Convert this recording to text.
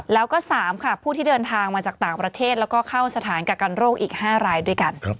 แล้วก็๓ค่ะผู้ที่เดินทางมาจากต่างประเทศแล้วก็เข้าสถานกักกันโรคอีก๕รายด้วยกัน